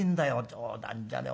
冗談じゃねえ